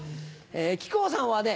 木久扇さんはね